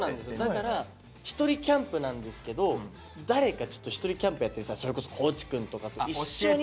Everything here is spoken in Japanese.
だから１人キャンプなんですけど誰かちょっと１人キャンプやってるそれこそ地くんとかと一緒に。